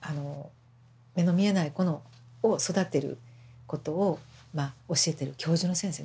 目の見えない子を育てることを教えてる教授の先生ね